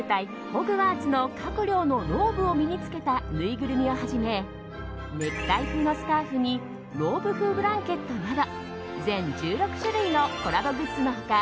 ホグワーツの各寮のローブを身に着けたぬいぐるみをはじめネクタイ風のスカーフにローブ風ブランケットなど全１６種類のコラボグッズの他